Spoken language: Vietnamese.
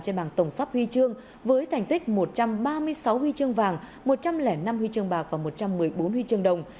trên bảng tổng sắp huy chương với thành tích một trăm ba mươi sáu huy chương vàng một trăm linh năm huy chương bạc và một trăm một mươi bốn huy chương đồng